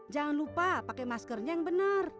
jangan lupa pakai maskernya yang benar